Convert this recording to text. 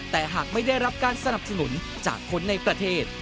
แต่หากไม่ได้รับการสนับสนุนจากคนในประเทศ